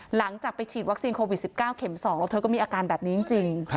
หลังจากไปฉีดวัคซีนโควิด๑๙เข็ม๒แล้วเธอก็มีอาการแบบนี้จริง